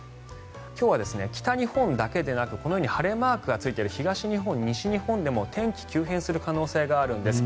今日は北日本だけでなくこのように晴れマークがついている東日本、西日本でも天気急変する可能性があるんです。